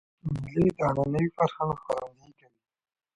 مېلې د عنعنوي فرهنګ ښکارندویي کوي.